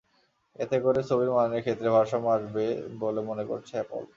এতে করে ছবির মানের ক্ষেত্রে ভারসাম্য আসবে বলে মনে করছে অ্যাপল।